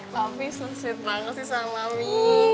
papi susit banget sih sama mi